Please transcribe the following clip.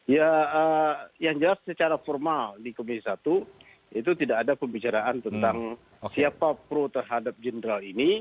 ya yang jelas secara formal di komisi satu itu tidak ada pembicaraan tentang siapa pro terhadap jenderal ini